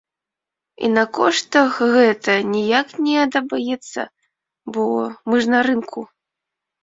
І на коштах гэта ніяк не адаб'ецца, бо мы ж на рынку.